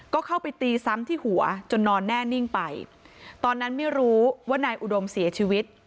ก็เข้าไปตีซ้ำที่หัวจนนอนแน่นิ่งไปตอนนั้นไม่รู้ว่านายอุดมเสียชีวิต